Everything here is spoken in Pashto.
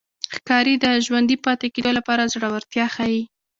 ښکاري د ژوندي پاتې کېدو لپاره زړورتیا ښيي.